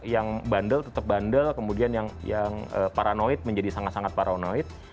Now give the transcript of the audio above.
yang bandel tetap bandel kemudian yang paranoid menjadi sangat sangat paranoid